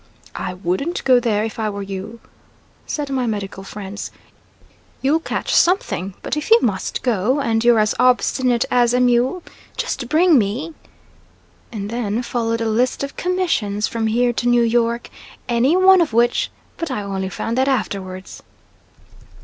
"I wouldn't go there if I were you," said my medical friends, "you'll catch something; but if you must go, and you're as obstinate as a mule, just bring me " and then followed a list of commissions from here to New York, any one of which but I only found that out afterwards.